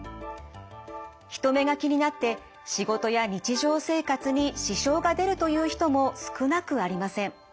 人目が気になって仕事や日常生活に支障が出るという人も少なくありません。